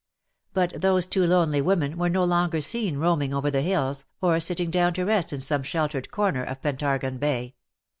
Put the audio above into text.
But those two lonely women were no longer seen roaming over the hills, or sitting down to rest in some sheltered corner of Pentargon Bay.